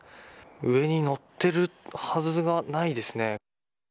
上に乗ってるはずが、ないですね。